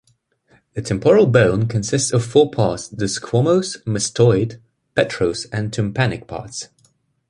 The temporal bone consists of four parts- the squamous, mastoid, petrous and tympanic parts.